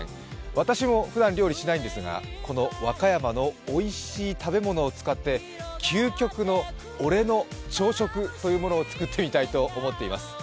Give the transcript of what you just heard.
私もふだん料理しないんですがこの和歌山のおいしい食べ物を使って究極の俺の朝食というものを作ってみたいと思っています。